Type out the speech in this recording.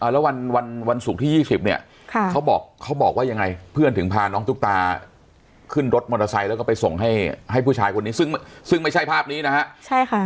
แล้ววันวันศุกร์ที่๒๐เนี่ยเขาบอกเขาบอกว่ายังไงเพื่อนถึงพาน้องตุ๊กตาขึ้นรถมอเตอร์ไซค์แล้วก็ไปส่งให้ผู้ชายคนนี้ซึ่งไม่ใช่ภาพนี้นะฮะใช่ค่ะ